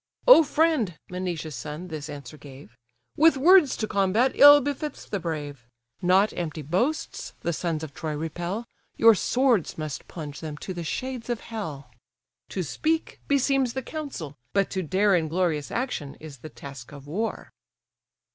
"O friend (Menoetius' son this answer gave) With words to combat, ill befits the brave; Not empty boasts the sons of Troy repel, Your swords must plunge them to the shades of hell. To speak, beseems the council; but to dare In glorious action, is the task of war."